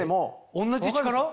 同じ力？